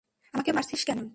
আমাকে মারছিস কেন?